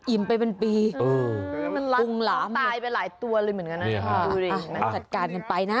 อิ่มไปเป็นปีมันรัดตายไปหลายตัวเลยเหมือนกันนะดูดินะฮะจัดการกันไปนะ